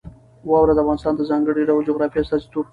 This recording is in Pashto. واوره د افغانستان د ځانګړي ډول جغرافیه استازیتوب کوي.